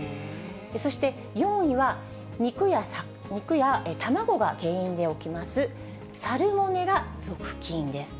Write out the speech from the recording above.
そして、４位は肉や卵が原因で起きます、サルモネラ属菌です。